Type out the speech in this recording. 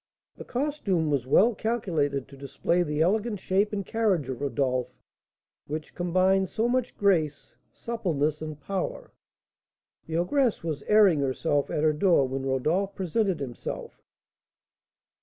The costume was well calculated to display the elegant shape and carriage of Rodolph, which combined so much grace, suppleness, and power. The ogress was airing herself at her door when Rodolph presented himself.